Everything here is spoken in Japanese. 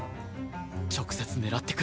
直接狙ってくるか？